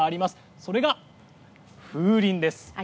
それが風鈴です。